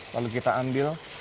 lalu kita ambil